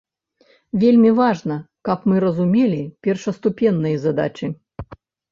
Вельмі важна, каб мы разумелі першаступенныя задачы.